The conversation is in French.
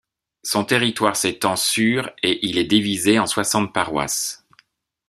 Son territoire s'étend sur et il est divisé en soixante paroisses.